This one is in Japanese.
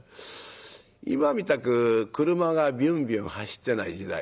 今みたく車がビュンビュン走ってない時代